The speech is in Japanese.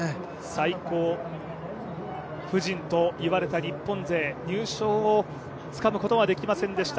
最高布陣といわれた日本勢入賞をつかむことはできませんでした。